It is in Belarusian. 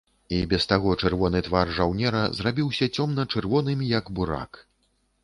І без таго чырвоны твар жаўнера зрабіўся цёмна-чырвоным, як бурак.